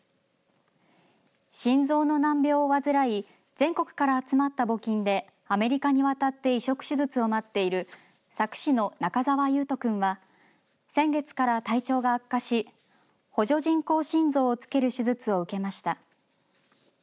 心臓の難病を患い全国から集まった募金でアメリカに渡って移植手術を待っている佐久市の中澤維斗君は先月から体調が悪化し補助人工心臓をつける手術を受けました。